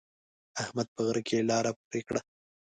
احمد په غره کې لاره پرې کړه.